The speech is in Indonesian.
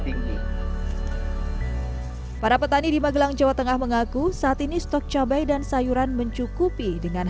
tinggi para petani di magelang jawa tengah mengaku saat ini stok cabai dan sayuran mencukupi dengan